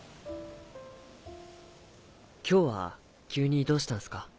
今日は急にどうしたんすか？